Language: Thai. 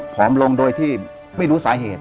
ผอมลงโดยที่ไม่รู้สาเหตุ